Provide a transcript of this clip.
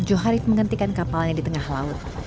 joharif menghentikan kapalnya di tengah laut